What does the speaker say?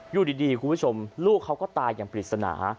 อยู่ดีคุณผู้ชมลูกเขาก็ตายอย่างปริศนา